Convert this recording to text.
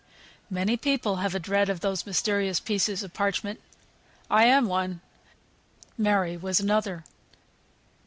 Many people have a dread of those mysterious pieces of parchment. I am one. Mary was another.